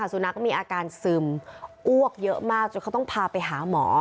สุนัขมีอาการซึมอ้วกเยอะมากจนเขาต้องพาไปหาหมอ